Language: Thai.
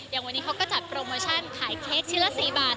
อย่างวันนี้เขาก็จัดโปรโมชั่นขายเค้กชิ้นละ๔บาท